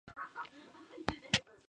La Verdadera Maquina